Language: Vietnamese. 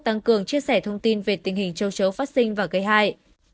tăng cường chia sẻ thông tin về tình hình châu chấu phát sinh và gây hại